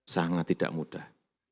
sangat tidak mudah